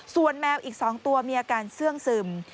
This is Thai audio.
ส่วนแมวอีก๒ตัวมีอาการเสื้องซึม